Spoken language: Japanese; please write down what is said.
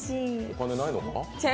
お金ないのかな？